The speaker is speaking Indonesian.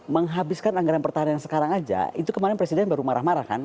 menghabiskan anggaran pertahanan sekarang aja itu kemarin presiden baru marah marah kan